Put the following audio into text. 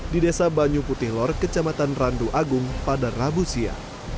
di desa banyu putihlor kecamatan randu agung pada rabusia